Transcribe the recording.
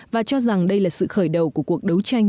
và cho rằng đây là sự khởi đầu của cuộc đấu tranh